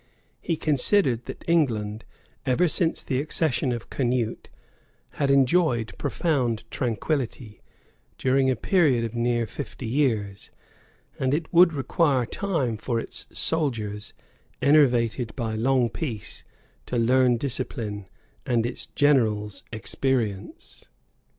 He considered that England, ever since the accession of Canute, had enjoyed profound tranquillity, during a period of near fifty years; and it would require time for its soldiers, enervated by long peace, to learn discipline, and its generals experience.